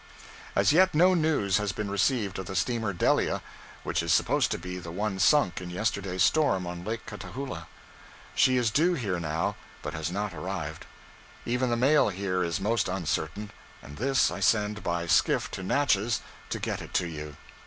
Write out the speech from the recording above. As yet no news has been received of the steamer 'Delia,' which is supposed to be the one sunk in yesterday's storm on Lake Catahoula. She is due here now, but has not arrived. Even the mail here is most uncertain, and this I send by skiff to Natchez to get it to you.